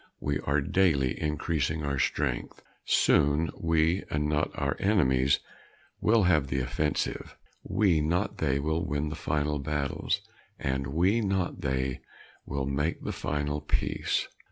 We are daily increasing our strength. Soon, we and not our enemies, will have the offensive; we, not they, will win the final battles; and we, not they, will make the final peace.